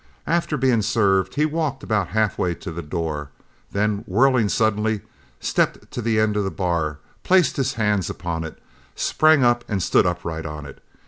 After being served, he walked about halfway to the door, then whirling suddenly, stepped to the end of the bar, placed his hands upon it, sprang up and stood upright on it.